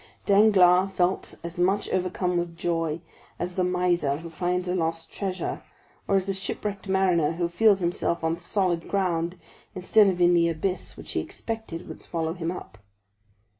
Danglars felt as much overcome with joy as the miser who finds a lost treasure, or as the shipwrecked mariner who feels himself on solid ground instead of in the abyss which he expected would swallow him up.